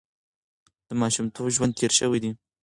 د ماشومتوب ژوند تېر شوی دی.